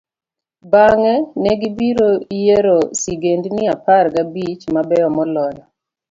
bang'e, ne gibiro yiero sigendini apar gi abich mabeyo moloyo.